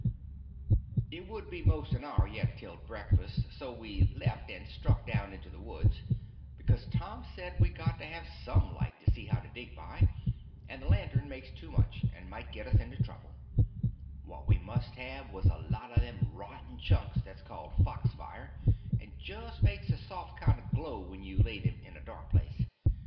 It would be most an hour yet till breakfast, so we left and struck down into the woods; because Tom said we got to have some light to see how to dig by, and a lantern makes too much, and might get us into trouble; what we must have was a lot of them rotten chunks that's called fox fire, and just makes a soft kind of a glow when you lay them in a dark place.